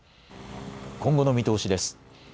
今後の見通しです。